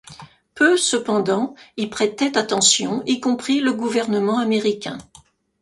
Peu, cependant, y prêtaient attention, y compris le Gouvernement américain.